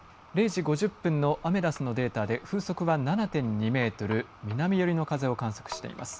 ０時５０分のアメダスのデータで風速は７．２メートル南寄りの風を観測しています。